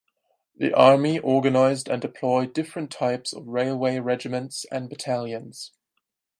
The Army organized and deployed different types of railway regiments and battalions.